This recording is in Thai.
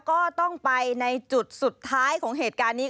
ก็ต้องไปในจุดสุดท้ายของเหตุการณ์นี้